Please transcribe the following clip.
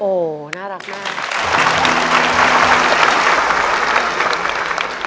โอ้โหน่ารักมาก